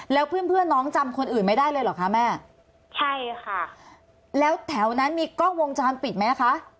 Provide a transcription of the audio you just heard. แล้วเพื่อนเพื่อนน้องจำคนอื่นไม่ได้เลยเหรอคะแม่ใช่ค่ะแล้วแถวนั้นมีกล้องวงจรปิดไหมคะ